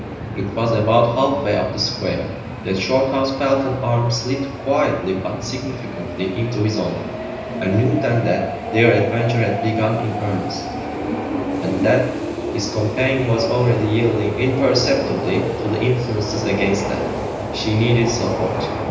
It was about half way up the square that Shorthouse felt an arm slipped quietly but significantly into his own, and knew then that their adventure had begun in earnest, and that his companion was already yielding imperceptibly to the influences against them. She needed support.